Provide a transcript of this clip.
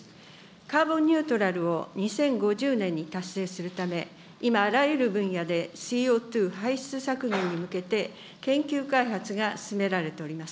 カーボンニュートラルを２０５０年に達成するため、今あらゆる分野でＣＯ２排出削減に向けて研究開発が進められております。